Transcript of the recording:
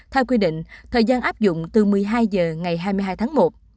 theo quy định thời gian áp dụng từ một mươi hai h ngày hai mươi hai tháng một